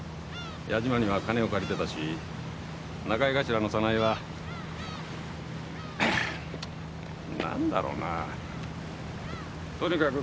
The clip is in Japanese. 矢島には金を借りてたし仲居頭の早苗は何だろうなとにかく